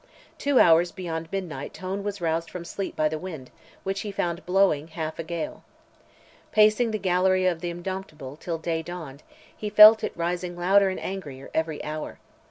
Two hours beyond midnight Tone was roused from sleep by the wind, which he found blowing half a gale. Pacing the gallery of the Indomptable till day dawned, he felt it rising louder and angrier, every hour.